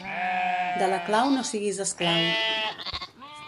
De la clau no siguis esclau.